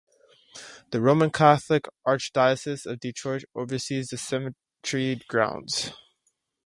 The Roman Catholic Archdiocese of Detroit oversees the cemetery grounds.